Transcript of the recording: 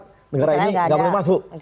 dengan syarat ini gak boleh masuk